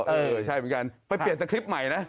เออใช่เหมือนกันไปเปลี่ยนสคริปต์ใหม่นะ